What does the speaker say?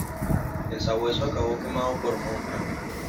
El Sabueso acabó quemado por Montag.